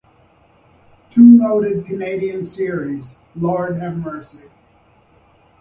Two noted Canadian series, Lord Have Mercy!